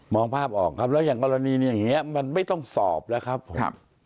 องภาพออกครับแล้วอย่างกรณีอย่างนี้มันไม่ต้องสอบแล้วครับผม